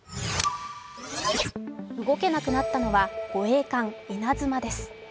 動けなくなったのは護衛艦「いなづま」です。